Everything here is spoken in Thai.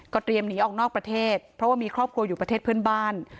เตรียมหนีออกนอกประเทศเพราะว่ามีครอบครัวอยู่ประเทศเพื่อนบ้าน